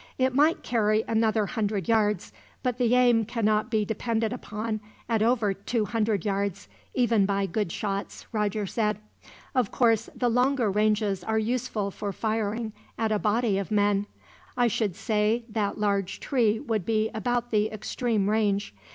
"It might carry another hundred yards, but the aim cannot be depended upon at over two hundred yards, even by good shots," Roger said. "Of course, the longer ranges are useful for firing at a body of men. I should say that large tree would be about the extreme range.